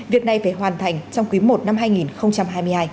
việc này phải hoàn thành trong quý i năm hai nghìn hai mươi hai